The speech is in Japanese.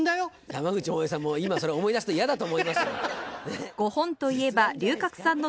山口百恵さんも今それ思い出すと嫌だと思います。